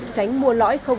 tránh mua lõi không